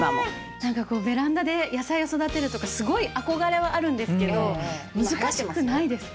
何かこうベランダで野菜を育てるとかすごい憧れはあるんですけど難しくないですか？